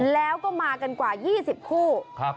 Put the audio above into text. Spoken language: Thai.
แล้วก็มากันกว่า๒๐คู่